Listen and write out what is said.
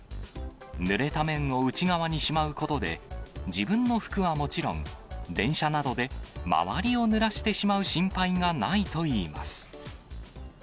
ぬれた面を内側にしまうことで、自分の服はもちろん、電車などで周りをぬらしてしまう心配がないといいます。